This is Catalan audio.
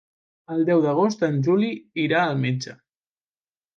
El deu d'agost en Juli irà al metge.